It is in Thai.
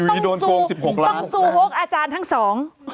ต้องสูทุยโฮคอาจารย์ทั้งสอง